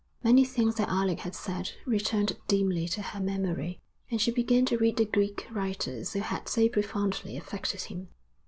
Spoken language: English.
Many things that Alec had said returned dimly to her memory; and she began to read the Greek writers who had so profoundly affected him.